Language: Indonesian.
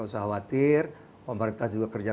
usah khawatir pemerintah juga kerja